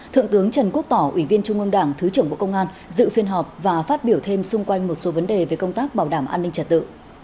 thượng tướng trần quốc tỏ ủy viên trung ương đảng thứ trưởng bộ công an dự phiên họp và phát biểu thêm xung quanh một số vấn đề về công tác bảo đảm an ninh trật tự